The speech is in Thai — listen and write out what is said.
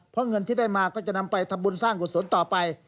เพราะเงินที่ได้มาก็จะนำไปทำบุญสร้างกุศลต่อไป